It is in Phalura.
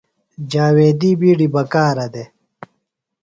جاویدی بیڈیۡ بکارہ دےۡ۔